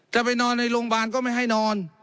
จะไปนอนในโรงพยาบาลก็ไม่ให้นอน